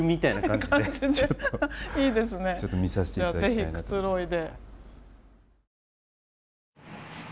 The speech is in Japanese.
じゃあぜひくつろいで。